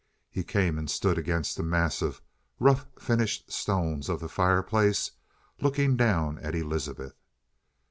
He came and stood against the massive, rough finished stones of the fireplace looking down at Elizabeth.